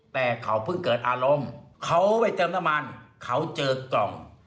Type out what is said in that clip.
แต่เขาเพิ่งเกิดอารมณ์เขาไปเติมน้ำมันเขาเจอกล่อง